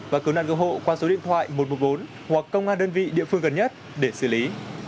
và cứu nạn cứu hộ qua số điện thoại một trăm một mươi bốn hoặc công an đơn vị địa phương gần nhất để xử lý